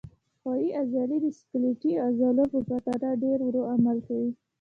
ښویې عضلې د سکلیټي عضلو په پرتله ډېر ورو عمل کوي.